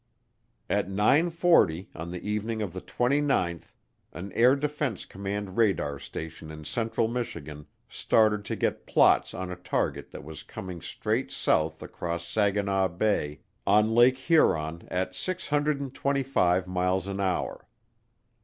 At nine forty on the evening of the twenty ninth an Air Defense Command radar station in central Michigan started to get plots on a target that was coming straight south across Saginaw Bay on Lake Huron at 625 miles an hour.